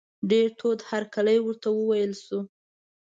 ډېر تود هرکلی ورته وویل شو.